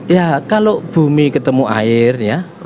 ya kalau bumi ketemu air ya